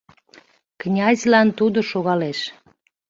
Князьлан тудо шогалеш